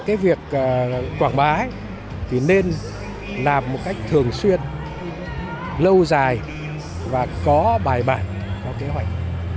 cái việc quảng bá thì nên làm một cách thường xuyên lâu dài và có bài bản có kế hoạch